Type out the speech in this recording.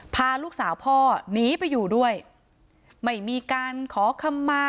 พาลูกสาวพ่อหนีไปอยู่ด้วยไม่มีการขอคำมา